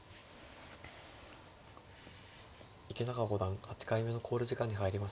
池永五段８回目の考慮時間に入りました。